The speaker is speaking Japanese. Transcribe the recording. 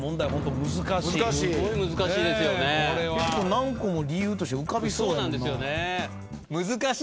何個も理由として浮かびそうやんな。